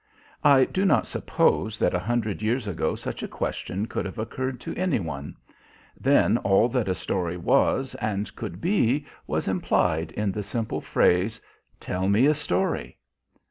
I do not suppose that a hundred years ago such a question could have occurred to any one. Then all that a story was and could be was implied in the simple phrase: "Tell me a story...."